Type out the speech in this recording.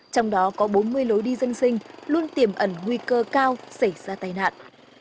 trong đó có bốn mươi lối đi dân sinh luôn tiềm ẩn nguy cơ cao xảy ra tai nạn